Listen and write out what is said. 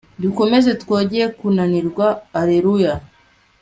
dukomeze twoye kunanirwa alleluia